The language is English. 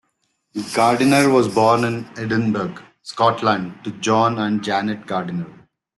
Gardiner was born in Edinburgh, Scotland to John and Janet Gardiner.